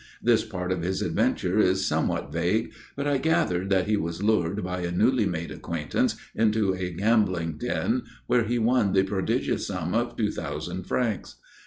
This part of his adventure is somewhat vague, but I gathered that he was lured by a newly made acquaintance into a gambling den, where he won the prodigious sum of two thousand francs.